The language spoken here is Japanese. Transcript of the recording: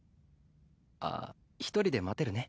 あっ一人で待てるね？